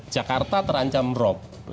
jakarta terancam rok